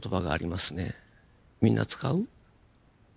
みんな使う？